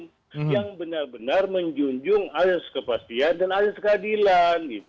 yang benar benar menjunjung alias kepastian dan alias keadilan